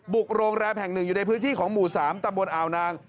โรงแรมแห่งหนึ่งอยู่ในพื้นที่ของหมู่๓ตำบลอาวนาง